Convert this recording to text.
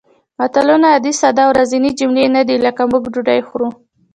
متلونه عادي ساده او ورځنۍ جملې نه دي لکه موږ ډوډۍ خورو